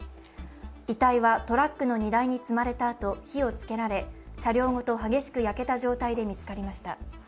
遺体はトラックの荷台に積まれたあと火をつけられ車両ごと激しく焼けた状態で見つかりました。